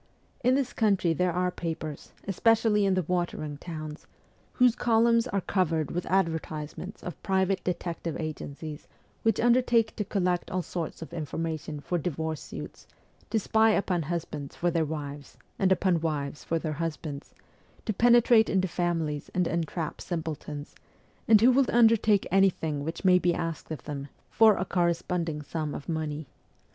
In this country there are papers, especially in the watering towns, whose columns are covered with advertisements of private detective agencies which undertake to collect all sorts of infor mation for divorce suits, to spy upon husbands for WESTERN EUROPE 301 their wives and upon wives for their husbands, to penetrate into families and entrap simpletons, and who will undertake anything which may be asked of them, for a corresponding sum of money.